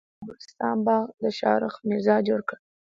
د هرات د انګورستان باغ د شاهرخ میرزا جوړ کړ